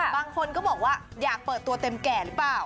บางคนก็บอกว่าอยากเปิดตัวเต็มแก่หรือเปล่า